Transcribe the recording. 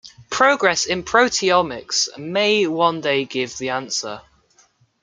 Progress in proteomics may one day give the answer.